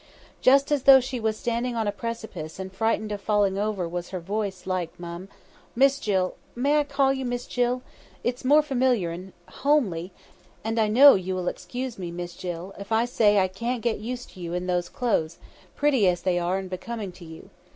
"... Just as though she was standing on a precipice and frightened of falling over was her voice like, Mum, Miss Jill may I call you Miss Jill? It's more familiar like and homely, and I know you will excuse me, Miss Jill, if I say that I can't get used to you in those clothes, pretty as they are and becoming to you.